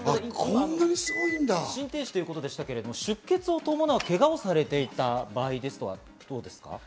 心停止ということでしたけれども、出血を伴うけがをされていた場合はどうですか？